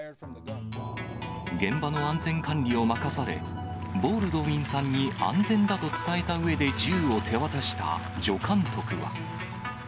現場の安全管理を任され、ボールドウィンさんに安全だと伝えたうえで銃を手渡した助監督は。